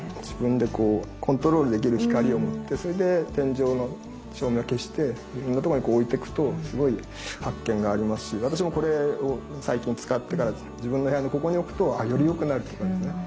自分でコントロールできる光を持ってそれで天井の照明を消していろんなところに置いてくとすごい発見がありますし私もこれを最近使ってから自分の部屋のここに置くとよりよくなるとかですね